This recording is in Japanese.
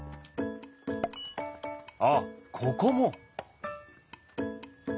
あっここも！